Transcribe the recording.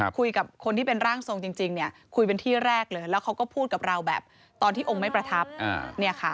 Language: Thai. คุยกับคนที่เป็นร่างทรงจริงเนี่ยคุยเป็นที่แรกเลยแล้วเขาก็พูดกับเราแบบตอนที่องค์ไม่ประทับ